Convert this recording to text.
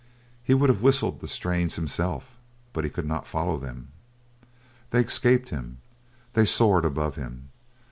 He would have whistled the strains himself, but he could not follow them. They escaped him, they soared above him.